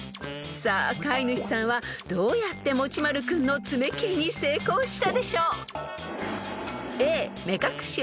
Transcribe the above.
［さあ飼い主さんはどうやってもちまる君の爪切りに成功したでしょう？］